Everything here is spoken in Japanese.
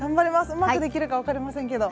うまくできるか分かりませんけど。